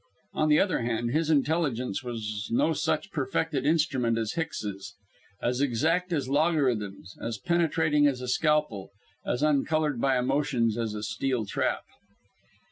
On the other hand, his intelligence was no such perfected instrument as Hicks's, as exact as logarithms, as penetrating as a scalpel, as uncoloured by emotions as a steel trap.